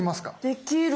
できる。